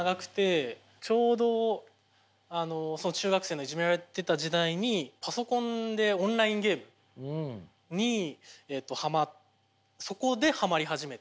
ちょうど中学生のいじめられてた時代にパソコンでオンラインゲームにそこではまり始めて。